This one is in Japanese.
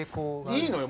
いいのよ。